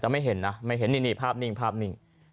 แต่ไม่เห็นนะภาพนิ่งภาพนิ่ง